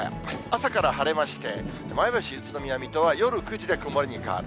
朝から晴れまして、前橋、宇都宮、水戸は夜９時で曇りに変わる。